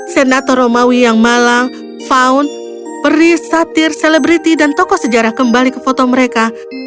senator romawi yang malang faun peris satir selebriti dan tokoh sejarah kembali ke foto mereka